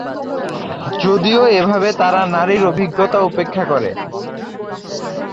যদিও, এভাবে তারা নারীর অভিজ্ঞতা উপেক্ষা করে।